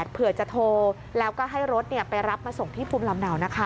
เผื่อจะโทรแล้วก็ให้รถไปรับมาส่งที่ภูมิลำเนานะคะ